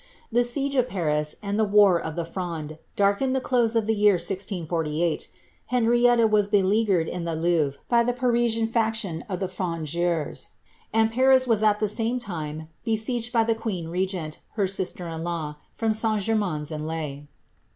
The siege 'Paris, and the war of the Fronde, darkened the close of the year 1648. eorietta was beleaguered in the Louvre by the Parisian faction of the rondeurs, and Paris was at tlie same time besieged by the queen regent, tr sister in law, from St. Germains en Laye.